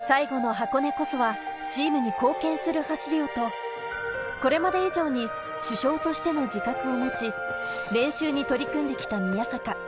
最後の箱根こそはチームに貢献する走りをと、これまで以上に主将としての自覚を持ち、練習に取り組んできた宮坂。